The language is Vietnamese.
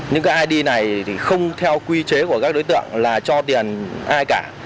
những id này không theo quy chế của các đối tượng là cho tiền ai cả